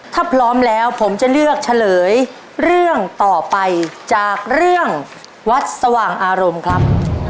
ถ้าพร้อมแล้วผมจะเลือกเฉลยเรื่องต่อไปจากเรื่องวัดสว่างอารมณ์ครับ